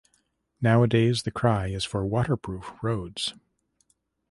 Nowadays the cry is for waterproof roads.